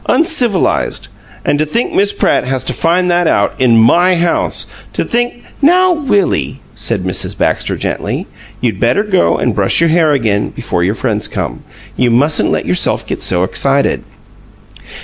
"Uncivilized! And to think Miss Pratt has to find that out in MY house! To think " "Now, Willie," said Mrs. Baxter, gently, "you'd better go up and brush your hair again before your friends come. You mustn't let yourself get so excited."